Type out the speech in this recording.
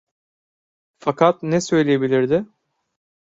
Fakat ne söyleyebilirdi?